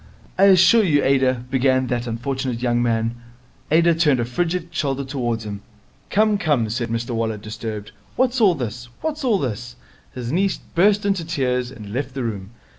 'I assure you, Ada ' began that unfortunate young man. Ada turned a frigid shoulder towards him. 'Come, come,' said Mr Waller disturbed. 'What's all this? What's all this?' His niece burst into tears and left the room.